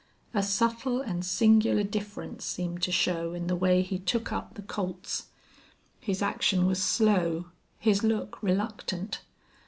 A subtle and singular difference seemed to show in the way he took up the Colt's. His action was slow, his look reluctant.